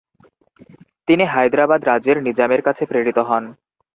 তিনি হায়দ্রাবাদ রাজ্যের নিজামের কাছে প্রেরিত হন।